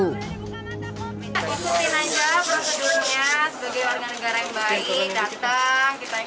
ikutin aja prosedurnya sebagai orang negara yang baik datang kita ikutin aja